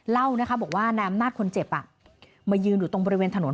เล่านะคะบอกว่านายอำนาจคนเจ็บมายืนอยู่ตรงบริเวณถนน